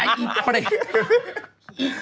ไอ้ปริศ